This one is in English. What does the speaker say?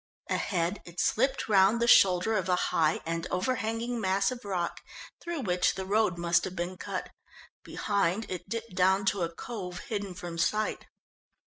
Ahead it slipped round the shoulder of a high and over hanging mass of rock, through which the road must have been cut. Behind it dipped down to a cove, hidden from sight.